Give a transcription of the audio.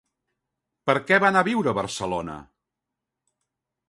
Per què va anar a viure a Barcelona?